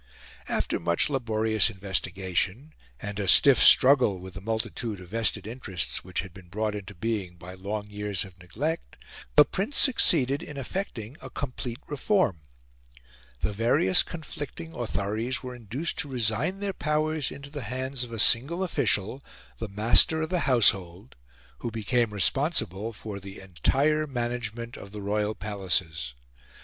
After much laborious investigation, and a stiff struggle with the multitude of vested interests which had been brought into being by long years of neglect, the Prince succeeded in effecting a complete reform. The various conflicting authorities were induced to resign their powers into the hands of a single official, the Master of the Household, who became responsible for the entire management of the royal palaces.